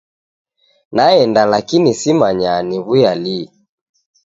Naenda lakini simanya niwuya lii.